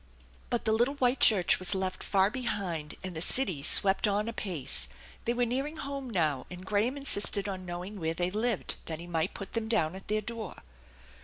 But the little white church was left far behind, and the city swept on apace. They were nearing home now, and Graham insisted on knowing where they lived, that he might put them down at their door.